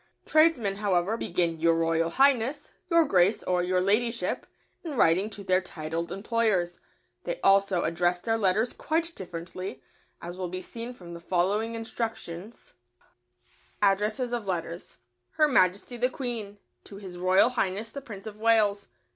Tradesmen, however, begin "Your Royal Highness," "Your Grace," or "Your Ladyship," in writing to their titled employers. They also address their letters quite differently, as will be seen from the following instructions: ADDRESSES OF LETTERS. Her Majesty the Queen. To His Royal Highness the Prince of Wales.